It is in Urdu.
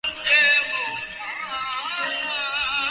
نہ ہی کہیں پر شرمسار کرتا ہے۔